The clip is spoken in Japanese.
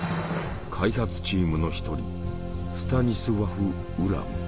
開発チームの一人スタニスワフ・ウラム。